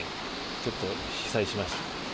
ちょっと被災しました。